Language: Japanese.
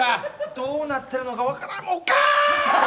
どうなってるのか分からん。